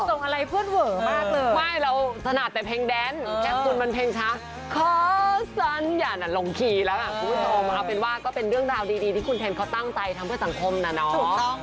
ขี่แล้วอ่ะคุณผู้ชมเอาเป็นว่าก็เป็นเรื่องราวดีที่คุณแทนเขาตั้งใจทำเพื่อสังคมนะน้อง